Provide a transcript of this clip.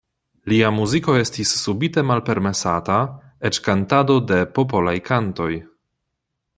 Lia muziko estis subite malpermesata, eĉ kantado de popolaj kantoj.